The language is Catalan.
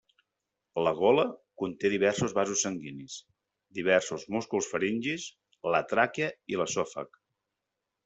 La gola conté diversos vasos sanguinis, diversos músculs faringis, la tràquea i l'esòfag.